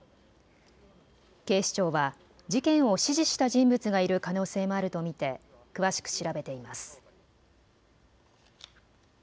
警視庁は事件を指示した人物がいる可能性もあると見て詳しく調べています。